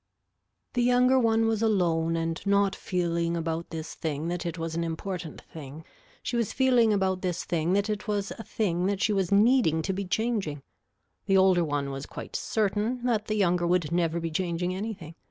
The younger one was alone and not feeling about this thing that it was an important thing, she was feeling about this thing that it was a thing that she was needing to be changing. The older one was quite certain that the younger would never be changing anything.